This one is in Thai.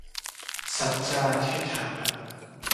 สัจจาธิฏฐานะ